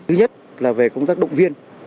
thứ nhất là về công tác động viên